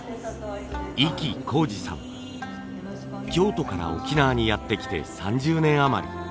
京都から沖縄にやって来て３０年あまり。